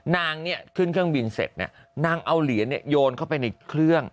นางเนี่ยขึ้นเครื่องบินเสร็จนางเอาเหรียญโยนเข้าไปในเครื่อง